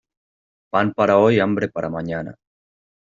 Pan para hoy y hambre para mañana.